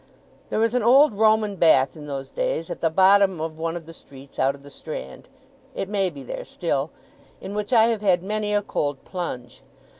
There was an old Roman bath in those days at the bottom of one of the streets out of the Strand it may be there still in which I have had many a cold plunge.